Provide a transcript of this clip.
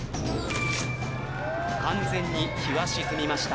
完全に日は沈みました。